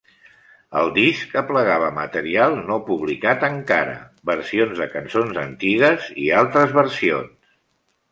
El disc aplegava material no publicat encara, versions de caçons antigues i altres versions.